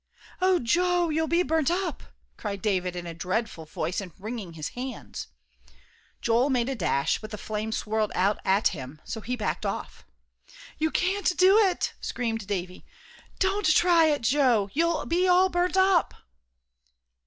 "Oh, Joe, you'll be burnt up," cried David, in a dreadful voice, and wringing his hands. Joel made a dash, but the flames swirled out at him, so he backed off. "You can't do it," screamed Davie; "don't try it, Joe, you'll be all burnt up."